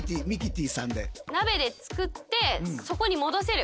「鍋で作ってそこに戻せる」？